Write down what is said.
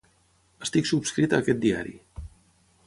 Estic subscrit a aquest diari.